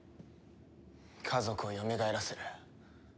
家族をよみがえらせる。